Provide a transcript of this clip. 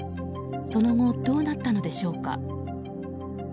その後、どうなったのでしょうか。